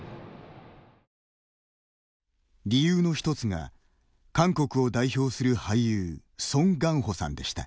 理由の一つが、韓国を代表する俳優、ソン・ガンホさんでした。